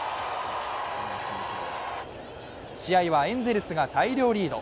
試合はエンゼルスが大量リード。